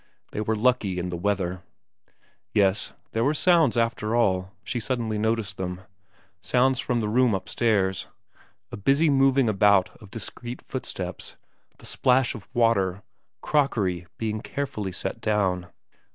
They were lucky in the weather. ... Yes, there were sounds after all, she suddenly noticed them ; sounds from the room upstairs, a busy moving about of discreet footsteps, the splash of water, crockery being carefully set down.